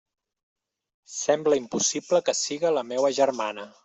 Sembla impossible que siga la meua germana!